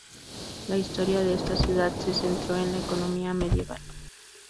La historia de esta ciudad se centró en la economía medieval.